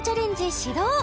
始動